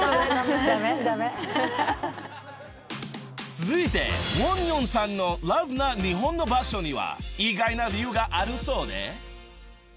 ［続いてウォニョンさんのＬＯＶＥな日本の場所には意外な理由があるそうで］